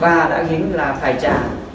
và đã gính là phải trả